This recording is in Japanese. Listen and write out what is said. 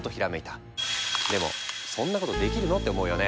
でもそんなことできるの？って思うよね？